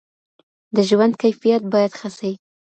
د ژوند کیفیت باید ښه سي.